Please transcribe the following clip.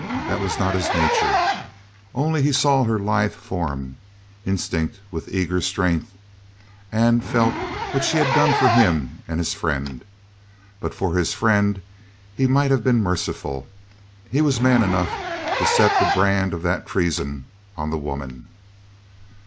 That was not his nature. Only he saw her lithe form, instinct with eager strength, and felt what she had done for him and his friend. But for his friend he might have been merciful. He was man enough to set the brand of that treason on the woman.